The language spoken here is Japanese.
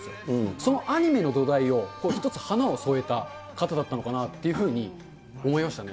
そのアニメの土台を、一つ花を添えた方だったのかなというふうに思いましたね。